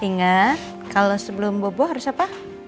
ingat kalau sebelum bobo harus apa